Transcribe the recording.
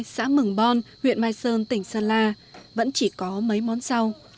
xã mừng bon huyện mai sơn tỉnh sơn la vẫn chỉ có mấy món rau